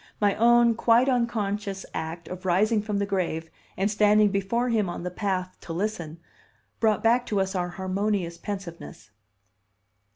My own quite unconscious act of rising from the grave and standing before him on the path to listen brought back to us our harmonious pensiveness.